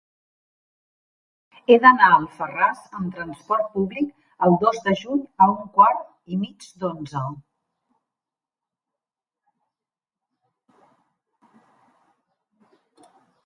He d'anar a Alfarràs amb trasport públic el dos de juny a un quart i mig d'onze.